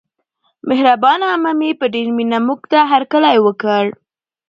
مهربانه عمه مې په ډېره مینه موږته هرکلی وکړ.